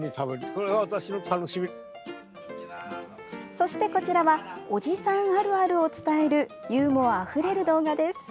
そしてこちらは「おじさんあるある」を伝えるユーモアあふれる動画です。